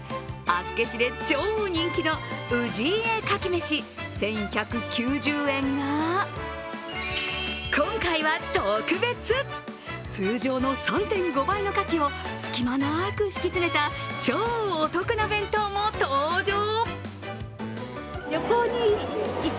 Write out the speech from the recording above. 厚岸で超人気の氏家かきめし、１１９０円が今回は特別通常の３．５倍のかきを隙間なく敷き詰めた超お得な弁当も登場。